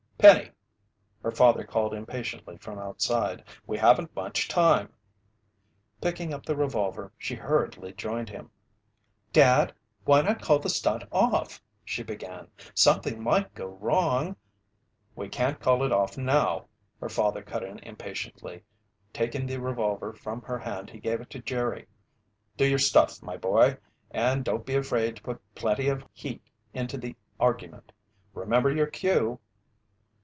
"Penny!" her father called impatiently from outside. "We haven't much time." Picking up the revolver, she hurriedly joined him. "Dad, why not call the stunt off?" she began. "Something might go wrong " "We can't call it off now," her father cut in impatiently. Taking the revolver from her hand he gave it to Jerry. "Do your stuff, my boy, and don't be afraid to put plenty of heat into the argument. Remember your cue?"